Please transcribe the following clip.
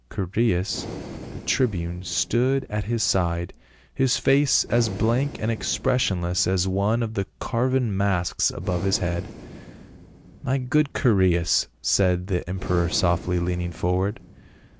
Chaereas, the tribune, stood at his 198 PA UL. side, his face as blank and expressionless as one of the carven masks above his head. " My good Chaereas !" said the emperor softly, leaning forward.